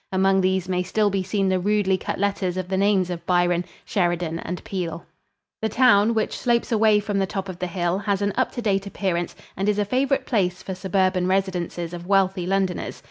Among these may still be seen the rudely cut letters of the names of Byron, Sheridan and Peele. The town, which slopes away from the top of the hill, has an up to date appearance and is a favorite place for suburban residences of wealthy Londoners.